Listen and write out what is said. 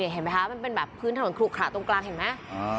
เห็นมั้ยคะมันเป็นแบบพื้นถนนขลุกขาตรงกลางเห็นมั้ย